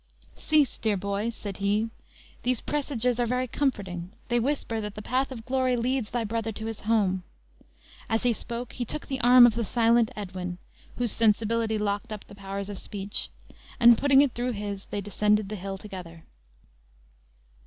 "Cease, dear boy!" said he; "these presages are very comforting; they whisper that the path of glory leads thy brother to his home." As he spoke he took the arm of the silent Edwin (whose sensibility locked up the powers of speech), and putting it through his, they descended the hill together.